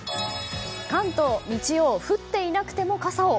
関東、日曜降っていなくても傘を。